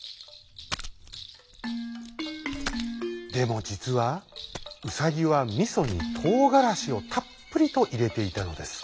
でもじつはウサギはみそにとうがらしをたっぷりといれていたのです。